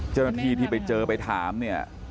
เจ้าหน้าที่ที่ไปเจอไปถามเนี่ย